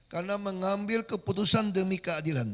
karena mengambil keputusan demi keadilan